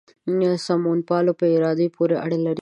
د سمونپالو په ارادې پورې اړه لري.